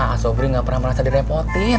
asobri gak pernah merasa direpotin